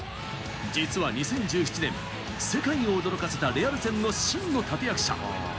実は２０１７年、世界を驚かせたレアル戦の真の立役者。